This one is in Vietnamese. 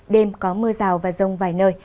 đêm có mưa rào và rông vài nơi